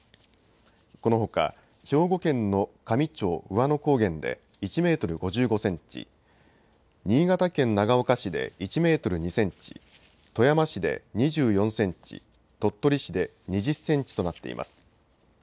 このほか兵庫県の香美町兎和野高原で１メートル５５センチ、新潟県長岡市で１メートル２センチ、富山市で２４センチ、鳥取市で２０センチとなっています。